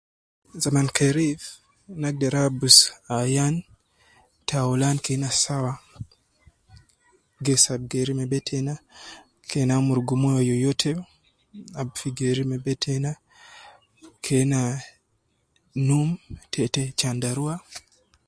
Zaman kheriif, nagder abusu Ayan, ta aulan kena sawa gess ab geri me be teina, kena amurugu moyo yoyote ab fi Geri me be teina, kena num Tete tandaruwa.